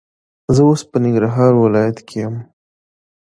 زه اوس په ننګرهار ولایت کې یم.